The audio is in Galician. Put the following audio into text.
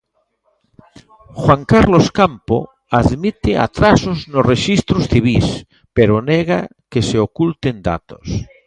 Juan Carlos Campo admite atrasos nos rexistros civís, pero nega que se oculten datos.